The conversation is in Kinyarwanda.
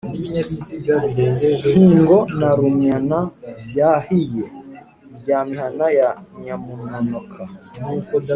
nkingo na runyana byahiye, irya mihana ya nyamunonoka